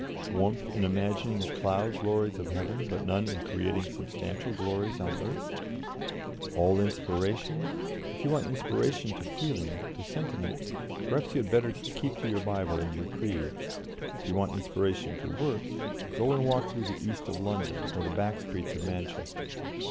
Warmth in imagining the cloud glories of heaven, but none in creating substantial glories on earth?' All inspiration'? If you want inspiration to feeling, to sentiment, perhaps you had better keep to your Bible and your creeds; if you want inspiration to work, go and walk through the East of London, or the back streets of Manchester.